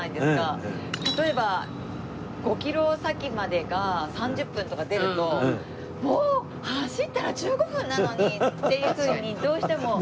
例えば５キロ先までが３０分とか出るともう走ったら１５分なのに！っていうふうにどうしても。